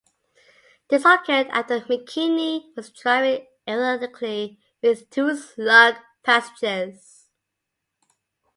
This occurred after McKinney was driving erratically with two slug passengers.